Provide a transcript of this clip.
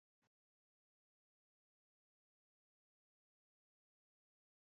Mecánica nisqapiqa, kanchay ruray sutichanchik.